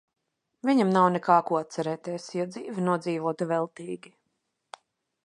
Viņam nav nekā ko atcerēties, jo dzīve nodzīvota veltīgi.